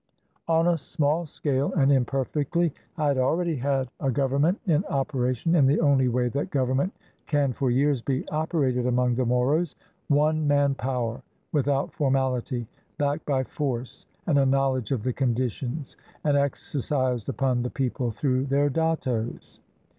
On a small scale and imperfectly I had already had a 556 PREPARING OUR MOROS FOR GOVERNMENT government in operation in the only way that govern ment can for years be operated among the Moros, —■ one man power without formality, backed by force and a knowledge of the conditions, and exercised upon the people through their dattos.